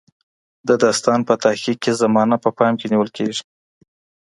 د داستان په تحقیق کې زمانه په پام کې نیول کیږي.